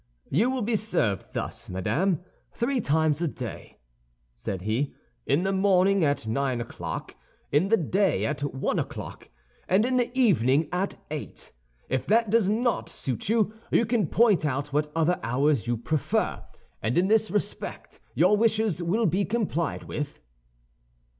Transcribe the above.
"You will be served, thus, madame, three times a day," said he. "In the morning at nine o'clock, in the day at one o'clock, and in the evening at eight. If that does not suit you, you can point out what other hours you prefer, and in this respect your wishes will be complied with."